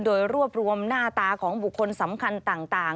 โดยรวบรวมหน้าตาของบุคคลสำคัญต่าง